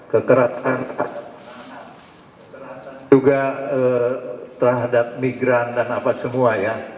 kekerasan juga terhadap migran dan apa semua ya